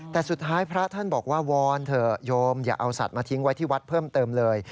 แต่สุดท้ายพระท่านบอกว่าวอนเถอะโยมอย่าเอาสัตว์มาทิ้งไว้ที่วัดเพิ่มเติมเลย